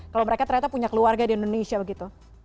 kalau mereka ternyata punya keluarga di indonesia begitu